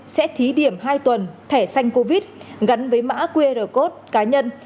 sẽ thí điểm hai tuần thẻ xanh covid gắn với mã qr code cá nhân